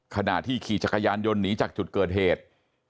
ขณะที่ขี่จักรยานยนต์หนีจากจุดเกิดเหตุ